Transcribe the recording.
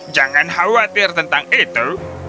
jangan khawatir tentang itu